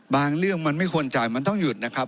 เรื่องมันไม่ควรจ่ายมันต้องหยุดนะครับ